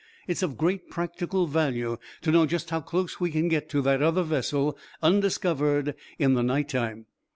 It's of great practical value to know just how close we can get to that other vessel, undiscovered, in the night time."